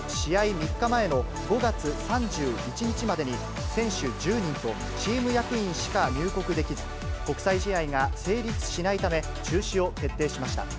３日前の５月３１日までに、選手１０人とチーム役員しか入国できず、国際試合が成立しないため、中止を決定しました。